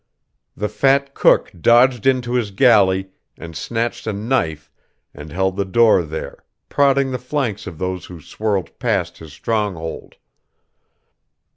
The fat cook dodged into his galley, and snatched a knife and held the door there, prodding the flanks of those who swirled past his stronghold.